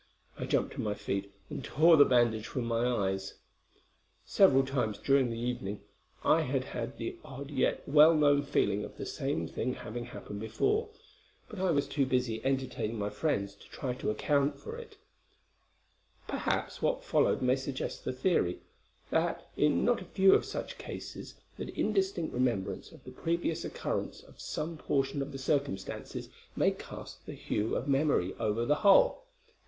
I jumped to my feet, and tore the bandage from my eyes. "Several times during the evening I had had the odd yet well known feeling of the same thing having happened before; but I was too busy entertaining my friends to try to account for it: perhaps what followed may suggest the theory, that in not a few of such cases the indistinct remembrance of the previous occurrence of some portion of the circumstances may cast the hue of memory over the whole.